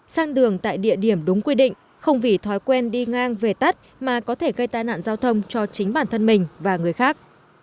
sang đường tại địa điểm đúng quy định không vì thói quen đi ngang về tắt mà có thể gây tai nạn giao thông cho chính bản thân mình và người khác